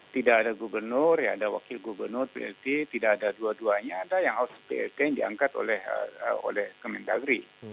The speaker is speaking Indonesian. tidak ada gubernur ya ada wakil gubernur plt tidak ada dua duanya ada yang harus plt yang diangkat oleh kemendagri